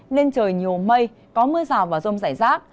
nên trời nhiều mây có mưa rào và rông rải rác